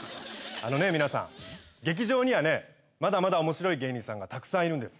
あのね皆さん劇場にはねまだまだ面白い芸人さんがたくさんいるんです。